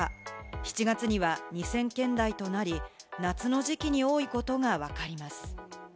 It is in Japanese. ７月には２０００件台となり、夏の時期に多いことがわかります。